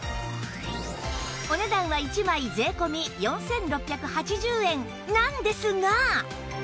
お値段は１枚税込４６８０円なんですが